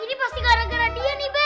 ini pasti gara gara dia nih